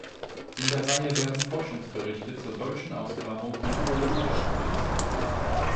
In der Reihe werden Forschungsberichte zur deutschen Ausgrabung in Olympia publiziert.